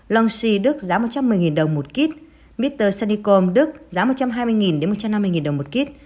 longxi đức giá một trăm một mươi đồng một kit mr sanicom đức giá một trăm hai mươi một trăm năm mươi đồng một kit